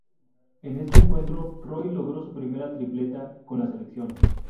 En este encuentro Roy logró su primera tripleta con la selección.